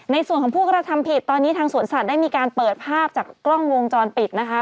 ในส่วนของผู้กระทำผิดตอนนี้ทางสวนสัตว์ได้มีการเปิดภาพจากกล้องวงจรปิดนะคะ